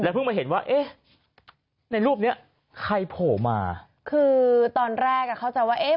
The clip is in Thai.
ว่าเอ๊ะในรูปเนี้ยใครโผล่มาคือตอนแรกอ่ะเขาจะว่าเอ๊ะ